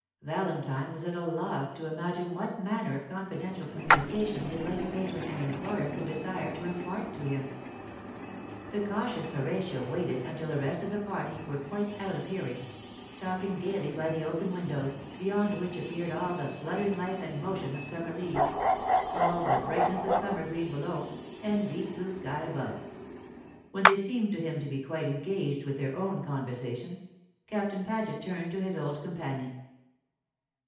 Valentine was at a loss to imagine what manner of confidential communication his late patron and employer could desire to impart to him. The cautious Horatio waited until the rest of the party were quite out of hearing, talking gaily by the open window, beyond which appeared all the fluttering life and motion of summer leaves, all the brightness of summer green below, and deep blue sky above. When they seemed to him to be quite engaged with their own conversation, Captain Paget turned to his old companion.